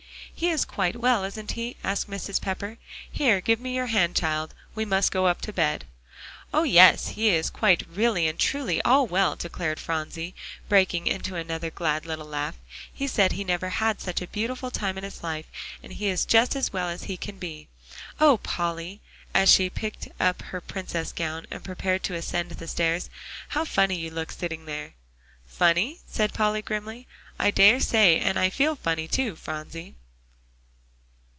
"He is quite well, isn't he?" asked Mrs. Pepper. "Here, give me your hand, child; we must get up to bed." "Oh, yes! he is quite really and truly all well," declared Phronsie, breaking into another glad little laugh. "He said he never had such a beautiful time in his life, and he is just as well as he can be. Oh, Polly!" as she picked up her Princess gown and prepared to ascend the stairs, "how funny you look sitting there!" "Funny?" said Polly grimly. "I dare say, and I feel funny too, Phronsie."